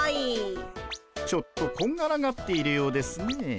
ちょっとこんがらがっているようですね。